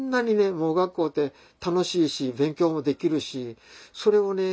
盲学校って楽しいし勉強もできるしそれをね